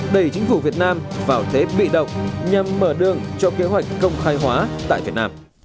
đẩy chính phủ việt nam vào thế bị động nhằm mở đường cho kế hoạch công khai hóa tại việt nam